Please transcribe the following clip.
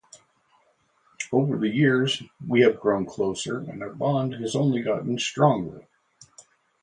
Over the years, we have grown closer and our bond has only gotten stronger.